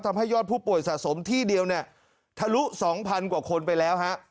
ทำให้ยอดผู้ป่วยสะสมที่เดียวเนี่ยทะลุ๒๐๐กว่าคนไปแล้วฮะ